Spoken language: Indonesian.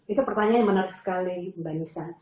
itu pertanyaan menarik sekali mbak nisa